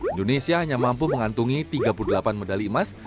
indonesia hanya mampu mengantungi tiga puluh delapan medali emas